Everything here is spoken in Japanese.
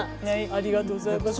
ありがとうございます。